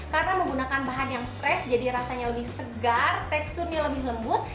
karena menggunakan bahan yang fresh jadi rasanya lebih segar teksturnya lebih lembut